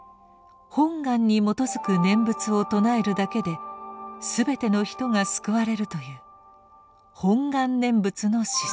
「本願」に基づく念仏を称えるだけで全ての人が救われるという「本願念仏」の思想。